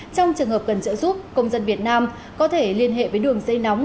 trong trường hợp cần trợ giúp công dân việt nam có thể liên hệ với đường dây nóng